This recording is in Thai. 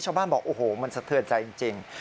ชาวบ้านบอกโอ้โหมันสะเทิดใจจริง